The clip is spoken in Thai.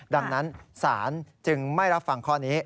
ดังนั้นศาลจึงไม่รับฟังข้อนี้